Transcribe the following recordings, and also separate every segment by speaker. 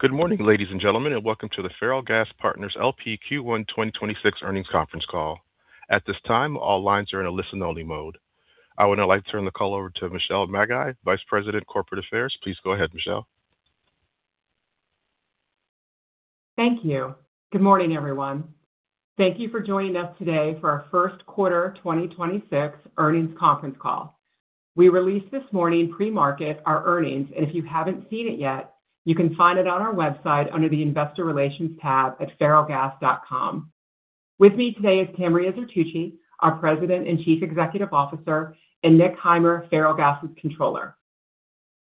Speaker 1: Good morning, ladies and gentlemen, and welcome to the Ferrellgas Partners LP Q1 2026 Earnings Conference Call. At this time, all lines are in a listen-only mode. I would now like to turn the call over to Michelle Maggi, Vice President, Corporate Affairs. Please go ahead, Michelle.
Speaker 2: Thank you. Good morning, everyone. Thank you for joining us today for our first quarter 2026 earnings conference call. We released this morning pre-market our earnings, and if you haven't seen it yet, you can find it on our website under the Investor Relations tab at ferrellgas.com. With me today is Tamria Zertuche, our President and Chief Executive Officer, and Nick Heimer, Ferrellgas's Controller.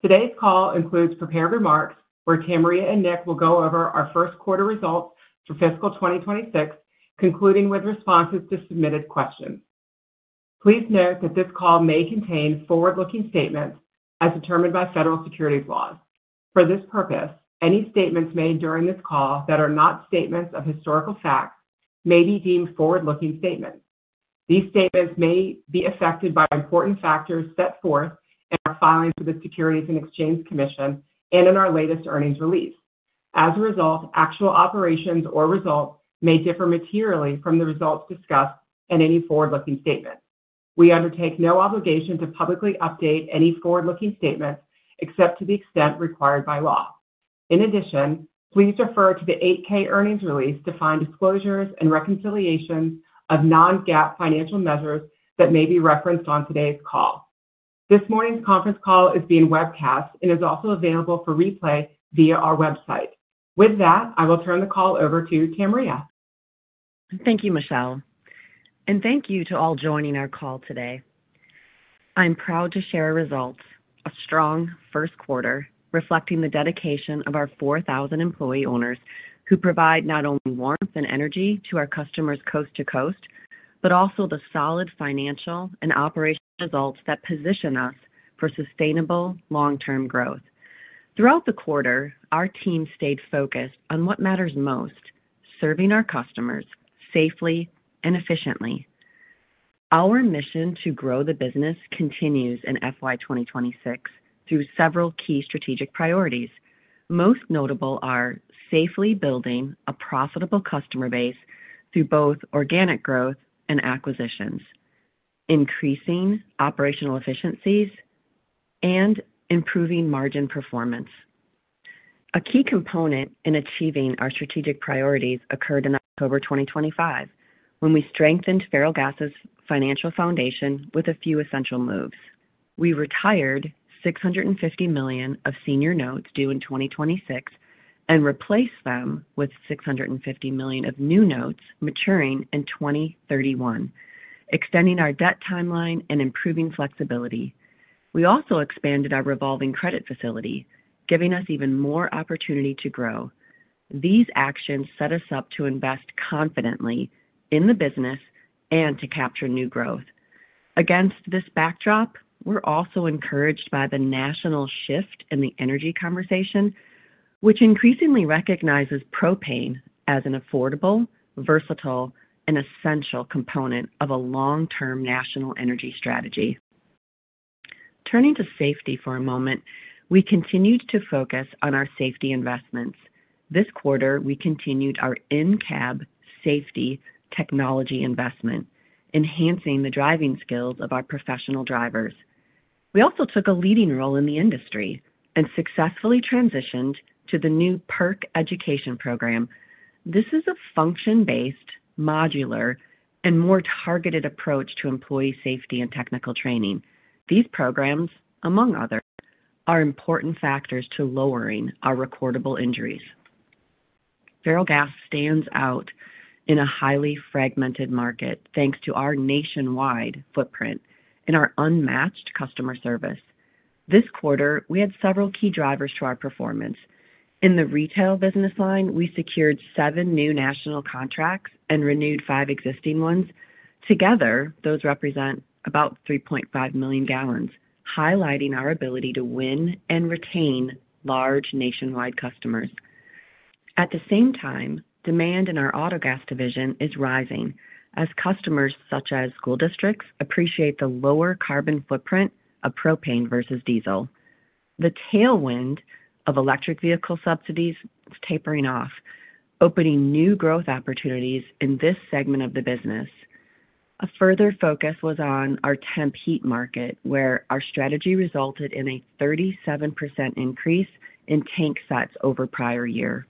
Speaker 2: Today's call includes prepared remarks where Tamria and Nick will go over our first quarter results for fiscal 2026, concluding with responses to submitted questions. Please note that this call may contain forward-looking statements as determined by federal securities laws. For this purpose, any statements made during this call that are not statements of historical facts may be deemed forward-looking statements. These statements may be affected by important factors set forth in our filings for the Securities and Exchange Commission and in our latest earnings release. As a result, actual operations or results may differ materially from the results discussed in any forward-looking statement. We undertake no obligation to publicly update any forward-looking statements except to the extent required by law. In addition, please refer to the 8-K earnings release to find disclosures and reconciliations of non-GAAP financial measures that may be referenced on today's call. This morning's conference call is being webcast and is also available for replay via our website. With that, I will turn the call over to Tamria.
Speaker 3: Thank you, Michelle, and thank you to all joining our call today. I'm proud to share results, a strong first quarter reflecting the dedication of our 4,000 employee owners who provide not only warmth and energy to our customers coast to coast, but also the solid financial and operational results that position us for sustainable long-term growth. Throughout the quarter, our team stayed focused on what matters most: serving our customers safely and efficiently. Our mission to grow the business continues in FY 2026 through several key strategic priorities. Most notable are safely building a profitable customer base through both organic growth and acquisitions, increasing operational efficiencies, and improving margin performance. A key component in achieving our strategic priorities occurred in October 2025 when we strengthened Ferrellgas's financial foundation with a few essential moves. We retired $650 million of senior notes due in 2026 and replaced them with $650 million of new notes maturing in 2031, extending our debt timeline and improving flexibility. We also expanded our revolving credit facility, giving us even more opportunity to grow. These actions set us up to invest confidently in the business and to capture new growth. Against this backdrop, we're also encouraged by the national shift in the energy conversation, which increasingly recognizes propane as an affordable, versatile, and essential component of a long-term national energy strategy. Turning to safety for a moment, we continued to focus on our safety investments. This quarter, we continued our in-cab safety technology investment, enhancing the driving skills of our professional drivers. We also took a leading role in the industry and successfully transitioned to the new PERC Education Program. This is a function-based, modular, and more targeted approach to employee safety and technical training. These programs, among others, are important factors to lowering our recordable injuries. Ferrellgas stands out in a highly fragmented market thanks to our nationwide footprint and our unmatched customer service. This quarter, we had several key drivers to our performance. In the retail business line, we secured seven new national contracts and renewed five existing ones. Together, those represent about 3.5 million gallons, highlighting our ability to win and retain large nationwide customers. At the same time, demand in our Autogas division is rising as customers such as school districts appreciate the lower carbon footprint of propane versus diesel. The tailwind of electric vehicle subsidies is tapering off, opening new growth opportunities in this segment of the business. A further focus was on our temp heat market, where our strategy resulted in a 37% increase in tank sets over prior year.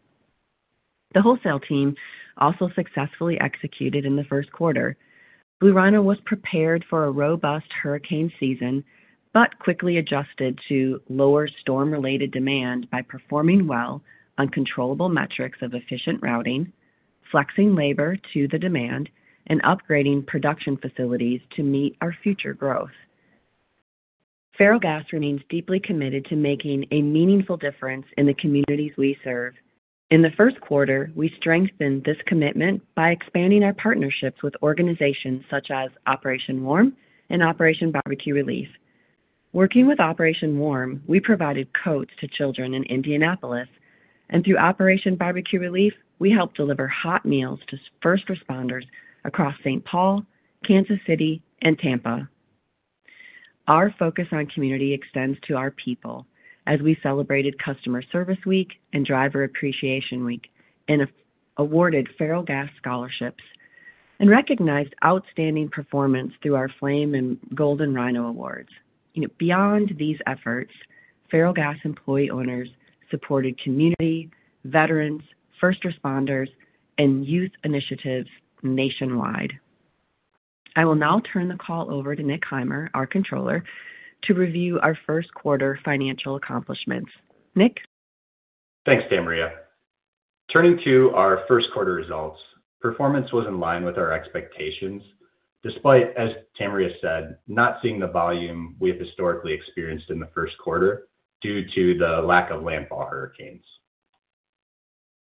Speaker 3: The wholesale team also successfully executed in the first quarter. Blue Rhino was prepared for a robust hurricane season but quickly adjusted to lower storm-related demand by performing well on controllable metrics of efficient routing, flexing labor to the demand, and upgrading production facilities to meet our future growth. Ferrellgas remains deeply committed to making a meaningful difference in the communities we serve. In the first quarter, we strengthened this commitment by expanding our partnerships with organizations such as Operation Warm and Operation Barbecue Relief. Working with Operation Warm, we provided coats to children in Indianapolis, and through Operation Barbecue Relief, we helped deliver hot meals to first responders across St. Paul, Kansas City, and Tampa. Our focus on community extends to our people as we celebrated Customer Service Week and Driver Appreciation Week and awarded Ferrellgas scholarships and recognized outstanding performance through our Flame and Golden Rhino Awards. Beyond these efforts, Ferrellgas employee owners supported community, veterans, first responders, and youth initiatives nationwide. I will now turn the call over to Nick Heimer, our controller, to review our first quarter financial accomplishments. Nick.
Speaker 4: Thanks, Tamria. Turning to our first quarter results, performance was in line with our expectations despite, as Tamria said, not seeing the volume we have historically experienced in the first quarter due to the lack of landfall hurricanes.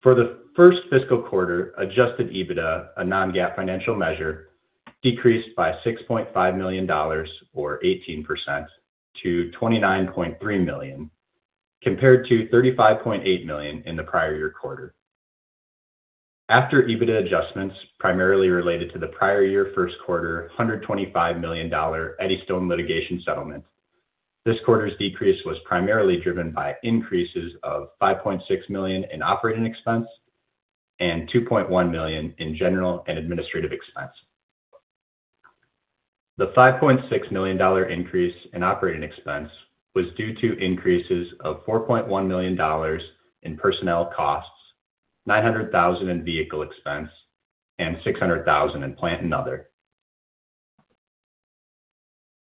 Speaker 4: For the first fiscal quarter, Adjusted EBITDA, a non-GAAP financial measure, decreased by $6.5 million, or 18%, to $29.3 million, compared to $35.8 million in the prior year quarter. After EBITDA adjustments primarily related to the prior year first quarter $125 million Eddystone litigation settlement, this quarter's decrease was primarily driven by increases of $5.6 million in operating expense and $2.1 million in general and administrative expense. The $5.6 million increase in operating expense was due to increases of $4.1 million in personnel costs, $900,000 in vehicle expense, and $600,000 in plant and other.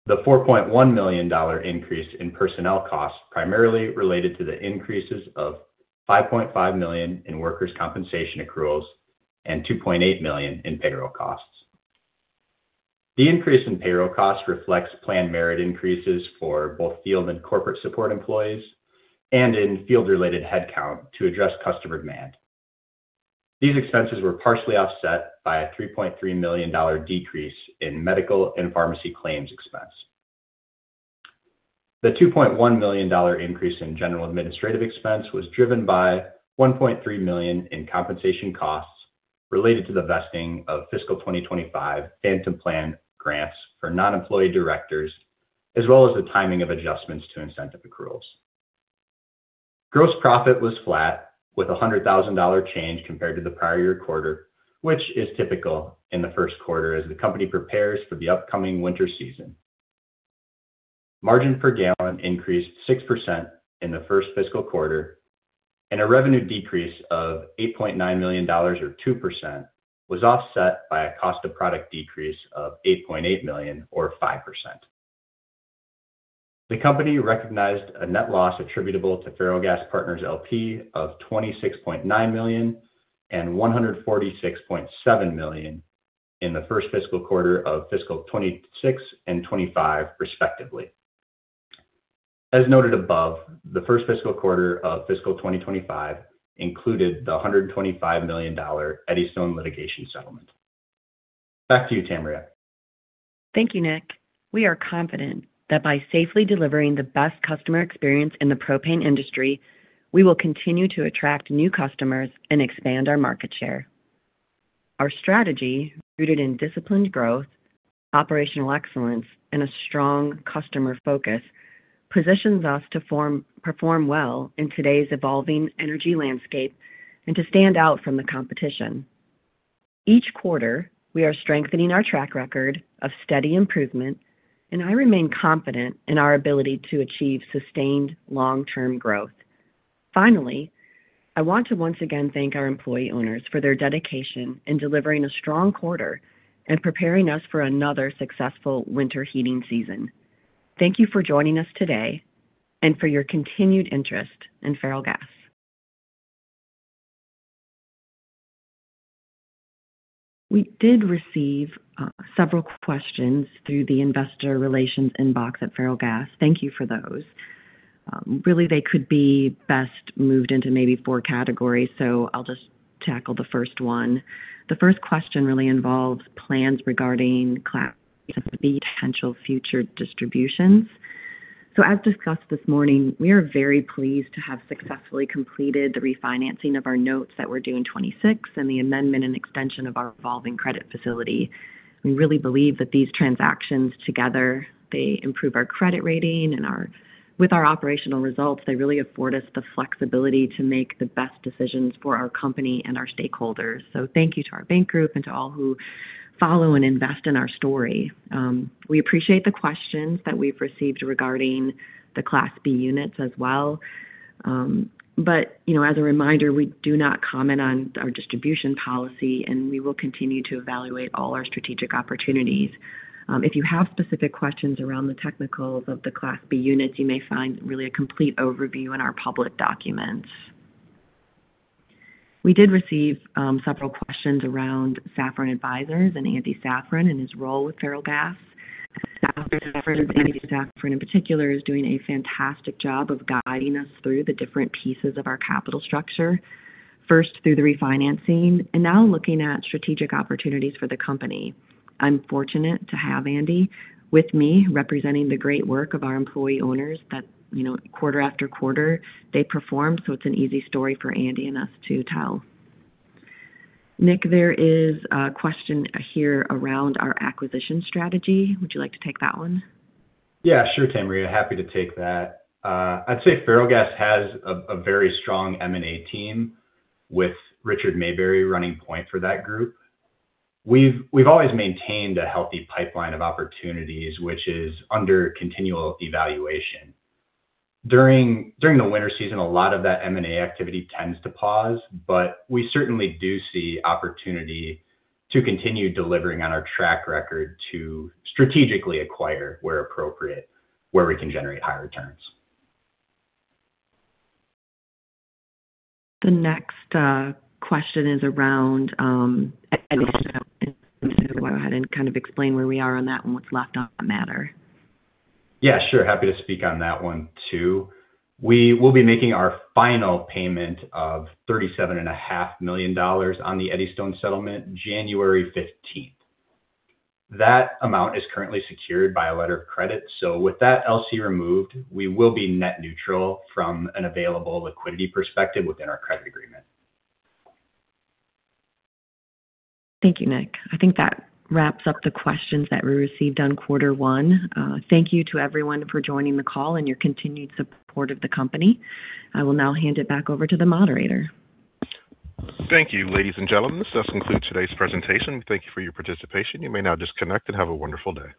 Speaker 4: The $4.1 million increase in personnel costs primarily related to the increases of $5.5 million in workers' compensation accruals and $2.8 million in payroll costs. The increase in payroll costs reflects planned merit increases for both field and corporate support employees and in field-related headcount to address customer demand. These expenses were partially offset by a $3.3 million decrease in medical and pharmacy claims expense. The $2.1 million increase in general administrative expense was driven by $1.3 million in compensation costs related to the vesting of fiscal 2025 phantom plan grants for non-employee directors, as well as the timing of adjustments to incentive accruals. Gross profit was flat with a $100,000 change compared to the prior year quarter, which is typical in the first quarter as the company prepares for the upcoming winter season. Margin per gallon increased 6% in the first fiscal quarter, and a revenue decrease of $8.9 million, or 2%, was offset by a cost of product decrease of $8.8 million, or 5%. The company recognized a net loss attributable to Ferrellgas Partners LP of $26.9 million and $146.7 million in the first fiscal quarter of fiscal 2026 and 2025, respectively. As noted above, the first fiscal quarter of fiscal 2025 included the $125 million Eddystone litigation settlement. Back to you, Tamria.
Speaker 3: Thank you, Nick. We are confident that by safely delivering the best customer experience in the propane industry, we will continue to attract new customers and expand our market share. Our strategy, rooted in disciplined growth, Operational excellence, and a strong customer focus, positions us to perform well in today's evolving energy landscape and to stand out from the competition. Each quarter, we are strengthening our track record of steady improvement, and I remain confident in our ability to achieve sustained long-term growth. Finally, I want to once again thank our employee owners for their dedication in delivering a strong quarter and preparing us for another successful winter heating season. Thank you for joining us today and for your continued interest in Ferrellgas. We did receive several questions through the investor relations inbox at Ferrellgas. Thank you for those. Really, they could be best moved into maybe four categories, so I'll just tackle the first one. The first question really involves plans regarding Class B and potential future distributions. So, as discussed this morning, we are very pleased to have successfully completed the refinancing of our notes that we're due in 2026 and the amendment and extension of our revolving credit facility. We really believe that these transactions together, they improve our credit rating, and with our operational results, they really afford us the flexibility to make the best decisions for our company and our stakeholders. So, thank you to our bank group and to all who follow and invest in our story. We appreciate the questions that we've received regarding the Class B units as well. But, you know, as a reminder, we do not comment on our distribution policy, and we will continue to evaluate all our strategic opportunities. If you have specific questions around the technicals of the Class B units, you may find really a complete overview in our public documents. We did receive several questions around Safran Advisors and Andy Safran and his role with Ferrellgas. Safran, Andy Safran in particular, is doing a fantastic job of guiding us through the different pieces of our capital structure, first through the refinancing and now looking at strategic opportunities for the company. I'm fortunate to have Andy with me representing the great work of our employee owners that, you know, quarter after quarter they perform, so it's an easy story for Andy and us to tell. Nick, there is a question here around our acquisition strategy. Would you like to take that one?
Speaker 4: Yeah, sure, Tamria. Happy to take that. I'd say Ferrellgas has a very strong M&A team with Richard Mayberry running point for that group. We've always maintained a healthy pipeline of opportunities, which is under continual evaluation. During the winter season, a lot of that M&A activity tends to pause, but we certainly do see opportunity to continue delivering on our track record to strategically acquire where appropriate, where we can generate higher returns.
Speaker 3: The next question is around an issue. I'll go ahead and kind of explain where we are on that and what's left on that matter.
Speaker 4: Yeah, sure. Happy to speak on that one too. We will be making our final payment of $37.5 million on the Eddystone settlement, January 15th. That amount is currently secured by a letter of credit. So, with that LC removed, we will be net neutral from an available liquidity perspective within our credit agreement.
Speaker 3: Thank you, Nick. I think that wraps up the questions that we received on quarter one. Thank you to everyone for joining the call and your continued support of the company. I will now hand it back over to the moderator.
Speaker 1: Thank you, ladies and gentlemen. This does conclude today's presentation. Thank you for your participation. You may now disconnect and have a wonderful day.